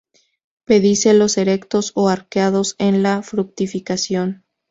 Pedicelos erectos o arqueados en la fructificación.